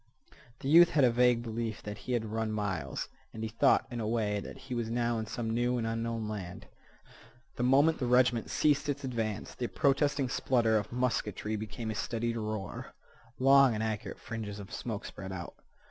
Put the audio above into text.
The youth had a vague belief that he had run miles, and he thought, in a way, that he was now in some new and unknown land. The moment the regiment ceased its advance the protesting splutter of musketry became a steadied roar. Long and accurate fringes of smoke spread out.